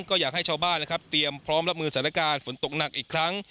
ก็อยากให้ชาวบ้านนะครับเตรียมพร้อมรับมือสถานการณ์ฝนตกหนักอีกครั้ง